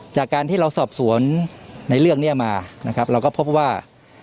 จากการที่เราสอบสวนในเรื่องเนี่ยมาเราก็พบว่า